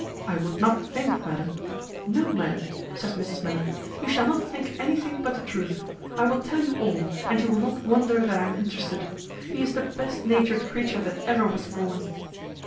I would not think, madam" "No, madam," says Mrs Miller, "you shall not think anything but the truth. I will tell you all, and you will not wonder that I am interested. He is the best natured creature that ever was born."